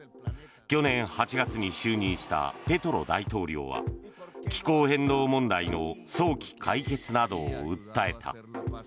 去年８月に就任したペトロ大統領は気候変動問題の早期解決などを訴えた。